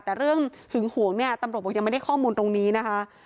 แต่เรื่องหึงหวงเนี่ยตำรวจบอกยังไม่ได้ข้อมูลตรงนี้นะคะ